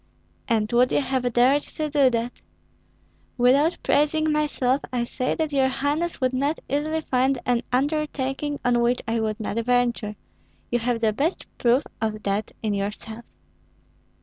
"And would you have dared to do that?" "Without praising myself I say that your highness would not easily find an undertaking on which I would not venture; you have the best proof of that in yourself."